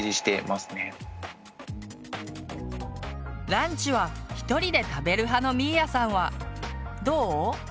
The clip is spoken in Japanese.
ランチは１人で食べる派のみーやさんはどう？